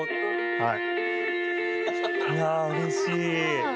はい。